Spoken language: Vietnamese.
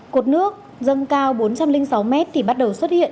cột nước dâng cao bốn trăm linh sáu mét thì bắt đầu xuất hiện